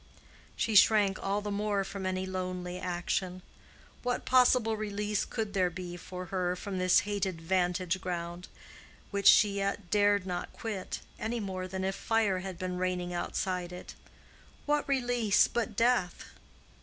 She shrank all the more from any lonely action. What possible release could there be for her from this hated vantage ground, which yet she dared not quit, any more than if fire had been raining outside it? What release, but death?